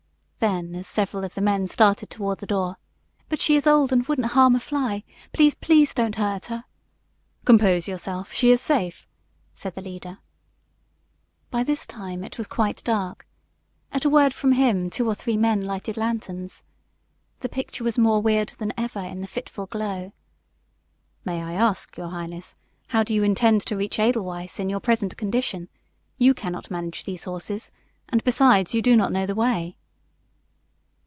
Then, as several of the men started toward the door: "But she is old and wouldn't harm a fly. Please, please don't hurt her." "Compose yourself; she is safe," said the leader. By this time it was quite dark. At a word from him two or three men lighted lanterns. The picture was more weird than ever in the fitful glow. "May I ask, your highness, how do you intend to reach Edelweiss in your present condition. You cannot manage those horses, and besides, you do not know the way."